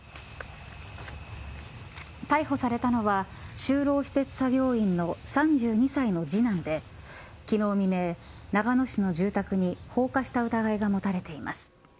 逮捕されたのは就労施設作業員の３２歳の次男で昨日未明、長野市の住宅に放火した疑いが持たれています。